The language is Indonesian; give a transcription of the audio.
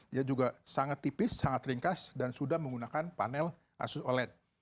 dia juga sangat tipis sangat ringkas dan sudah menggunakan panel asus oled